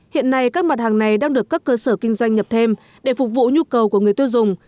hiện nay các mặt hàng này đang được các cơ sở kinh doanh nhập thêm để phục vụ nhu cầu của người tiêu dùng